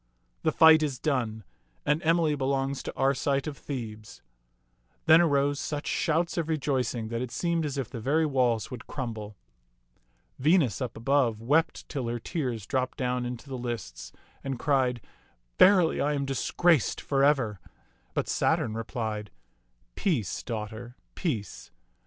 The fight is done, and Emily belongs to Arcite of Thebes." Then arose such shouts of rejoicing that it seemed as if the very walls would crumble. Venus, up above, wept till her tears dropped down into the lists, and cried, " Verily, I am disgraced for ever"; but Saturn replied, "Peace, daughter, peace.